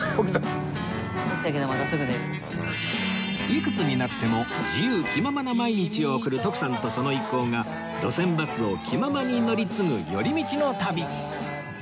いくつになっても自由気ままな毎日を送る徳さんとその一行が路線バスを気ままに乗り継ぐ寄り道の旅